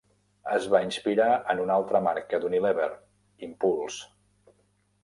Es va inspirar en una altra marca d'Unilever, Impulse.